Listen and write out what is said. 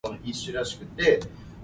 哪